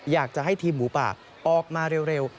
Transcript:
อยากจะให้ทีมหมูป่าออกมาเร็ว